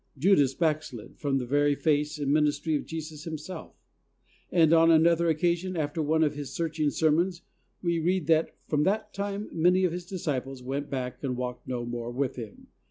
Judas backslid from the very face and ministry of Jesus Himself; and on another occasion, after one of His searching sermons, we read that, "from that time many of His disciples went back and walked no more with Him."